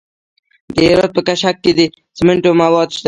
د هرات په کشک کې د سمنټو مواد شته.